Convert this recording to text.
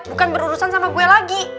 bukan berurusan sama gue lagi